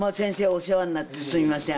お世話になってすいません